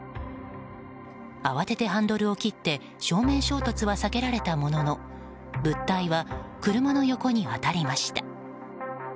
慌ててハンドルを切って正面衝突は避けられたものの物体は車の横に当たりました。